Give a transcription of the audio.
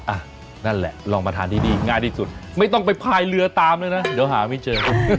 อ่ะนั่นแหละลองมาทานที่นี่ง่ายที่สุดไม่ต้องไปพายเรือตามเลยนะเดี๋ยวหาไม่เจอ